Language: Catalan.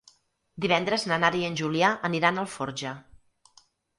Divendres na Nara i en Julià aniran a Alforja.